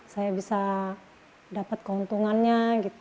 saya bisa dapat keuntungannya